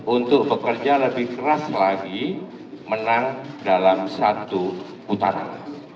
untuk bekerja lebih keras lagi menang dalam satu putaran